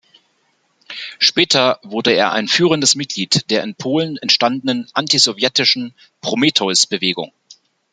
Später wurde er ein führendes Mitglied der in Polen entstandenen antisowjetischen "Prometheus-Bewegung".